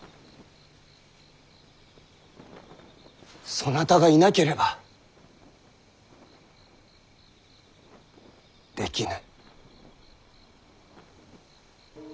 そなたがいなければできぬ。